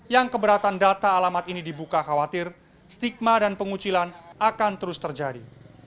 yang keberatan data alamat ini dibuka khawatir stigma dan pengucilan akan terus terjadi